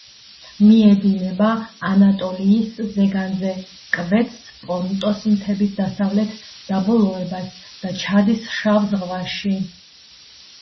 მიედინება ანატოლიის ზეგანზე, კვეთს პონტოს მთების დასავლეთ დაბოლოებას და ჩადის შავ ზღვაში.